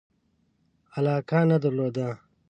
علاقه نه درلوده.